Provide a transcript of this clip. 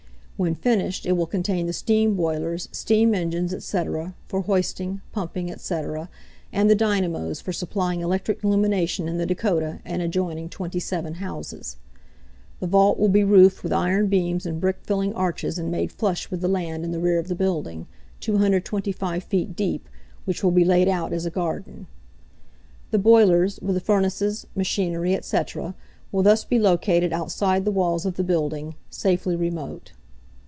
When finished it will contain the steam boilers, steam engines, &c., for hoisting, pumping, &c., and the dynamos for supplying electric illumination in the Dakota and adjoining 27 houses. The vault will be roofed with iron beams and brick filling arches and made flush with the land in the rear of the building, 225 feet deep, which will be laid out as a garden. The boilers, with the furnaces, machinery, &c., will thus be located outside the walls of the building safely remote.